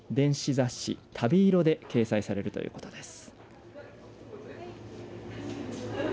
雑誌旅色で掲載されるということです。